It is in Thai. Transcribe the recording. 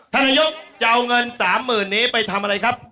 ธนยกจะเอาเงินสามหมื่นนี้ไปทำอะไรครับ